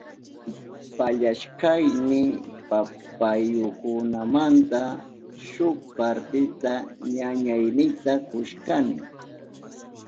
Pallashkayni papayukunamanta shuk partita ñañaynita kushkani.